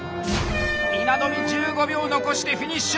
稲冨１５秒残してフィニッシュ！